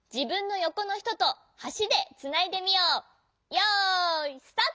よいスタート！